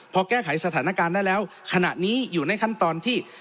พอแก้ไขสถานการณ์ได้แล้วขณะนี้อยู่ในขั้นตอนที่